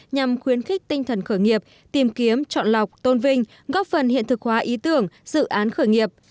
nhằm khuyến khích tinh thần khởi nghiệp tìm kiếm chọn lọc tôn vinh góp phần hiện thực hóa ý tưởng dự án khởi nghiệp